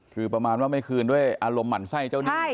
คือประมาณว่าไม่คืนด้วยอารมณ์หมั่นไส้เจ้าหนี้